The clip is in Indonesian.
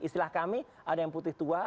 istilah kami ada yang putih tua